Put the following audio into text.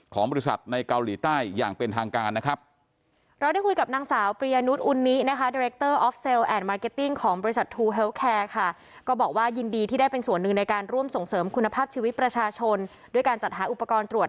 ของบริษัทในเกาหลีใต้อย่างเป็นทางการนะครับ